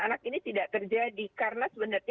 anak ini tidak terjadi karena sebenarnya